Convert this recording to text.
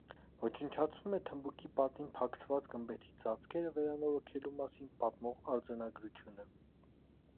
Ոչնչացվում է թմբուկի պատին փակցված գմբեթի ծածկերը վերանորոգելու մասին պատմող արձանագրությունը։